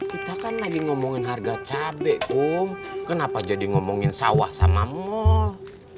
kita kan lagi ngomongin harga cabai om kenapa jadi ngomongin sawah sama mal